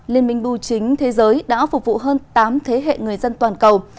liên minh bù chính thế giới đã phục vụ hơn tám thế hệ người dân toàn cầu